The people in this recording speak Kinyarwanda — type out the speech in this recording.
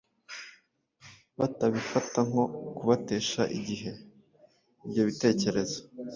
batabifata nko kubatesha igihe. Ibyo bitekerezo,